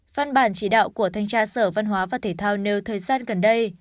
văn bản chỉ đạo của thanh tra sở văn hóa và thể thao nêu thời gian gần đây